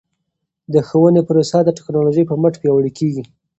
د ښوونې پروسه د ټکنالوژۍ په مټ پیاوړې کیږي.